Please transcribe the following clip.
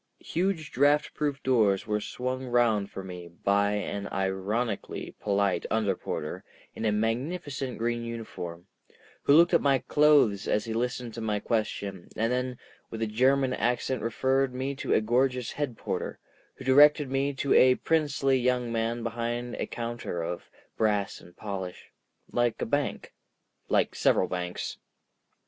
Huge draught proof doors were swung round for me by an ironically polite under porter in a magnificent green uniform, who looked at my clothes as he listened to my question and then with a German accent referred me to a gorgeous head porter, who directed me to a princely young man behind a counter of brass and polish, like a bank—like several banks.